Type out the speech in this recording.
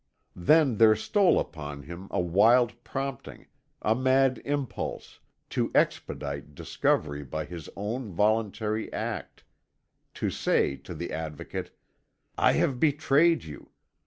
Then there stole upon him a wild prompting, a mad impulse, to expedite discovery by his own voluntary act to say to the Advocate: "I have betrayed you.